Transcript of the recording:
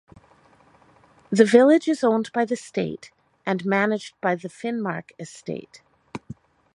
The village is owned by the state and managed by the Finnmark Estate.